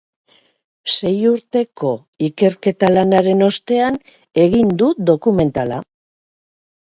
Sei urteko ikerketa lanaren ostean egin du dokumentala.